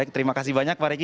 terima kasih banyak pak riki